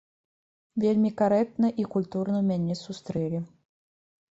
Вельмі карэктна і культурна мяне сустрэлі.